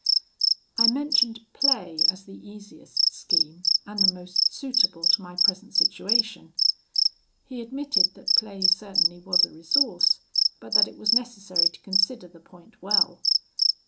"I mentioned play as the easiest scheme, and the most suitable to my present situation. He admitted that play certainly was a resource, but that it was necessary to consider the point well.